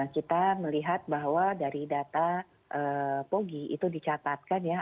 kita melihat bahwa dari data pogi itu dicatatkan ya